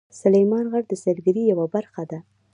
سلیمان غر د سیلګرۍ یوه برخه ده.